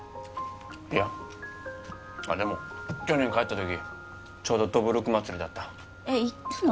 いやあっでも去年帰った時ちょうどどぶろく祭りだったえっ行ったの？